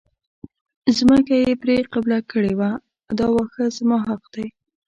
ځمکه یې پرې قلبه کړې وه دا واښه زما حق دی.